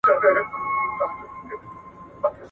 انسان نه پوهیږي چي واقعیا څه غواړي.